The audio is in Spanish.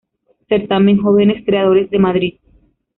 Certamen Jóvenes Creadores de Madrid.